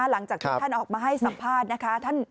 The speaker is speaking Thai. หลังจากที่ท่านออกมาให้สัมภาษณ์นะคะ